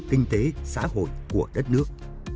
kinh tế xã hội của đất nước